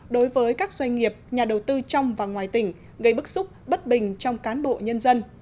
đối với các doanh nghiệp nhà đầu tư trong và ngoài tỉnh gây bức xúc bất bình trong cán bộ nhân dân